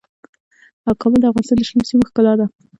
کابل د افغانستان د شنو سیمو ښکلا ده.